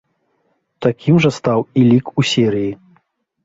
Такім жа стаў і лік у серыі.